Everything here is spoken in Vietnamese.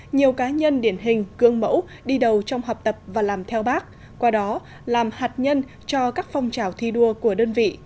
nhiều cá nhân điển hình cương mẫu đi đầu trong học tập và làm theo bác qua đó làm hạt nhân cho các phong trào thi đua của đơn vị